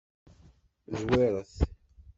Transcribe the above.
Zwiret.